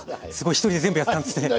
一人で全部やってたんですね。